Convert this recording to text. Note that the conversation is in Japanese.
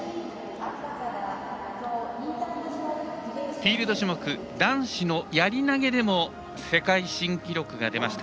フィールド種目男子のやり投げでも世界新記録が出ました。